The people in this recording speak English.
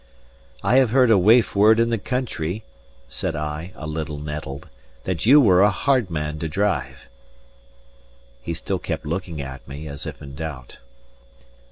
"I have heard a waif word in the country," said I, a little nettled, "that you were a hard man to drive." He still kept looking at me, as if in doubt.